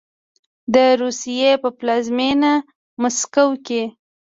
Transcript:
د روسیې په پلازمینه مسکو کې